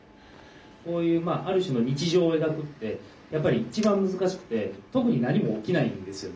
こういうある種の日常を描くってやっぱり一番難しくて特に何も起きないんですよね。